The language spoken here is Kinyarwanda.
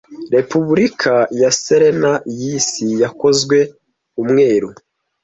Repubulika ya Serene yisi yakozwe umweru;